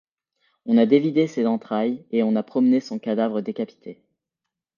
On a dévidé ses entrailles, et on a promené son cadavre décapité !